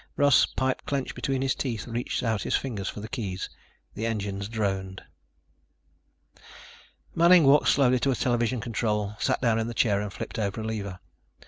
Russ, pipe clenched between his teeth, reached out his fingers for the keys. The engines droned. Manning walked slowly to a television control, sat down in the chair and flipped over a lever.